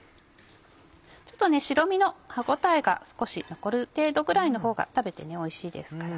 白身の歯応えが少し残る程度ぐらいのほうが食べておいしいですから。